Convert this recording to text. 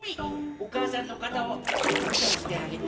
おかあさんのかたをとんとんしてあげて。